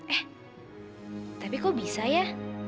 eh tapi kok bisa ya